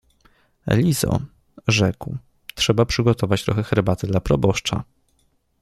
— Lizo — rzekł — trzeba przygotować trochę herbaty dla proboszcza…